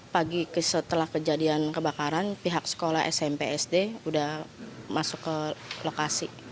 pagi setelah kejadian kebakaran pihak sekolah smp sd sudah masuk ke lokasi